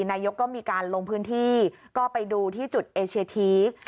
นายกก็มีการลงพื้นที่ก็ไปดูที่จุดเอเชียทีก